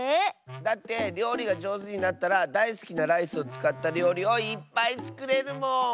だってりょうりがじょうずになったらだいすきなライスをつかったりょうりをいっぱいつくれるもん！